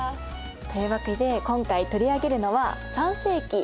というわけで今回取り上げるのは３世紀。